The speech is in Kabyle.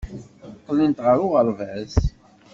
Qqlent ɣer uɣerbaz.